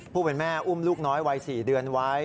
ผู้เป็นแม่อุ้มลูกน้อยวัย๔เดือนไว้